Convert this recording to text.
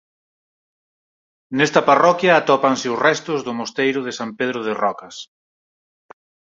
Nesta parroquia atópanse os restos do mosteiro de San Pedro de Rocas.